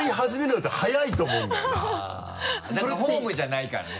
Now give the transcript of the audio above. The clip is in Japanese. だからホームじゃないからね。